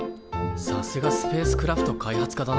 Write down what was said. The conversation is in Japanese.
さすがスペースクラフト開発科だな。